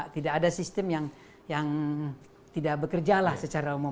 tidak ada sistem yang tidak bekerja lah secara umum